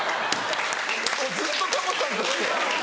もうずっとタモさんとして。